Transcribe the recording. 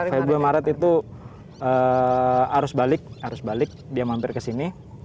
februari maret itu harus balik dia mampir ke sini